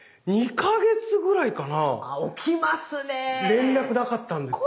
連絡なかったんですよ。